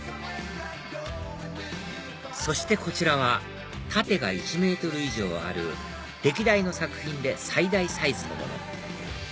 そしてこちらは縦が１ｍ以上ある歴代の作品で最大サイズのもの